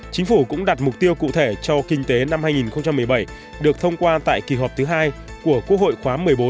chính phủ cũng đặt mục tiêu cụ thể cho kinh tế năm hai nghìn một mươi bảy được thông qua tại kỳ họp thứ hai của quốc hội khóa một mươi bốn